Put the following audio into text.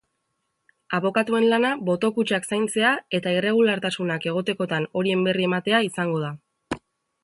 Abokatuen lana boto-kutxak zaintzea eta irregulartasunak egotekotan horien berri ematea izango da.